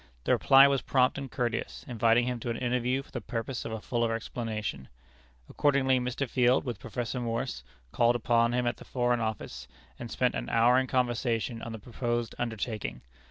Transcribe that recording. The reply was prompt and courteous, inviting him to an interview for the purpose of a fuller explanation. Accordingly, Mr. Field, with Professor Morse, called upon him at the Foreign Office, and spent an hour in conversation on the proposed undertaking.